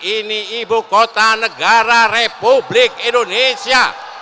ini ibu kota negara republik indonesia